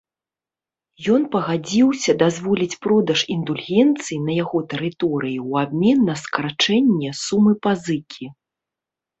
Ён пагадзіўся дазволіць продаж індульгенцый на яго тэрыторыі ў абмен на скарачэнне сумы пазыкі.